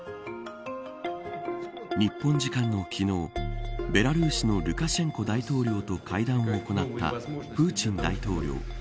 日本時間の昨日ベラルーシのルカシェンコ大統領と会談を行ったプーチン大統領。